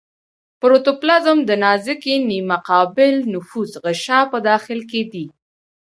پروتوپلازم د نازکې نیمه قابل نفوذ غشا په داخل کې دی.